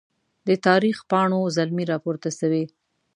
د تاریخ پاڼو زلمي راپورته سوي